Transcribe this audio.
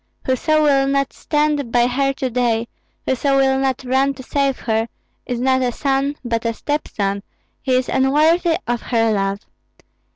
Whoso will not stand by her to day, whoso will not run to save her, is not a son, but a step son; he is unworthy of her love.